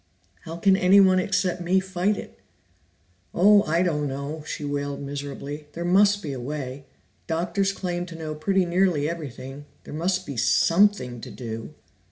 "How can anyone except me fight it?" "Oh, I don't know!" she wailed miserably. "There must be a way. Doctors claim to know pretty nearly everything; there must be something to do."